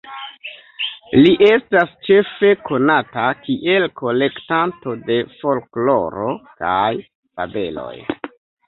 Li estas ĉefe konata kiel kolektanto de folkloro kaj fabeloj.